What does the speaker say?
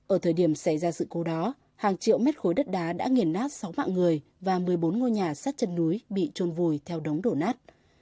ở thời điểm xảy ra sự cố đó hàng triệu mét khối đất đá đã nghiền nát sáu mạng người và một mươi bốn ngôi nhà sát chân núi bị trôn vùi theo đống đổ nát